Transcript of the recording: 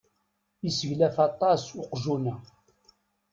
Iseglaf aṭas uqjun-a.